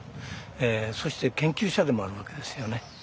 そして研究者でもあるわけですよね。